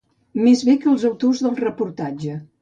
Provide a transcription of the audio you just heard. Més bé que els autors del reportatge.